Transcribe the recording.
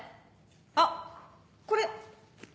あっこれ。